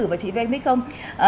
và chị vemix không